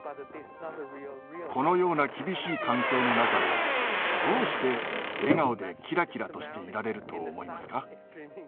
このような厳しい環境の中でどうして笑顔でキラキラとしていられると思いますか？